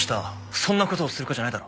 そんな事をする子じゃないだろ。